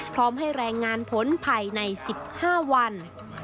พร้อมให้แรงงานผลภายใน๑๕วัน